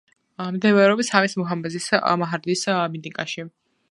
მდებარეობს ჰამის მუჰაფაზის მაჰარდის მინტაკაში.